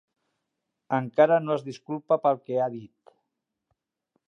Encara no es disculpa pel què ha dit.